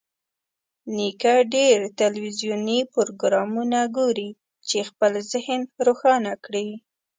نیکه ډېر تلویزیوني پروګرامونه ګوري چې خپل ذهن روښانه کړي.